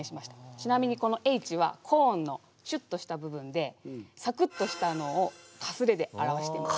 ちなみにこの「Ｈ」はコーンのシュッとした部分でサクッとしたのをかすれで表してます。